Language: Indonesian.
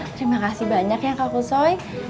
terima kasih banyak ya kang kusoy